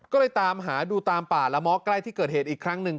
ก็เลยตามหาดูตามป่าละม้อใกล้ที่เกิดเหตุอีกครั้งหนึ่ง